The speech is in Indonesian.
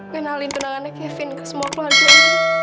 kenalin tunangannya kevin ke semua pelatihan